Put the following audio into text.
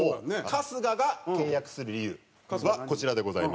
春日が倹約する理由はこちらでございます。